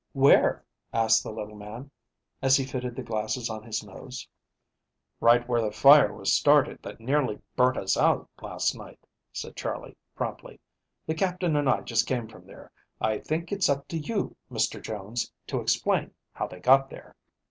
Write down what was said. "Where?" asked the little man, as he fitted the glasses on his nose. "Right where the fire was started that nearly burnt us out last night," said Charley promptly. "The Captain and I just came from there. I think it's up to you, Mr. Jones, to explain how they got there."